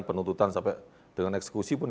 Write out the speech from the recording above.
penuntutan sampai dengan eksekusi pun